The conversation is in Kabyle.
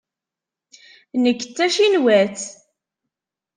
Nekk d tacinwatt.